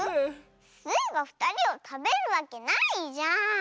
スイがふたりをたべるわけないじゃん。